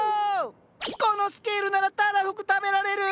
このスケールならたらふく食べられる！